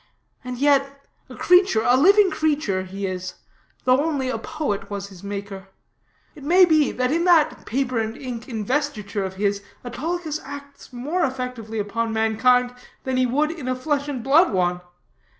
And yet, a creature, a living creature, he is, though only a poet was his maker. It may be, that in that paper and ink investiture of his, Autolycus acts more effectively upon mankind than he would in a flesh and blood one.